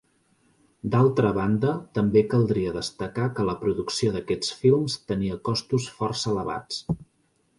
D’altra banda, també caldria destacar que la producció d’aquests films tenia costos força elevats.